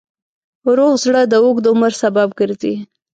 روغ زړه د اوږد عمر سبب ګرځي.